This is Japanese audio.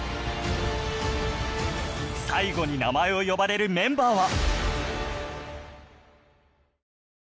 最後に名前を呼ばれるメンバーは